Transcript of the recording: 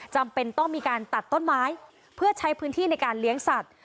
จำเป็นต้องมีการตัดต้นไม้เพื่อใช้พื้นที่ในการเลี้ยงสัตว์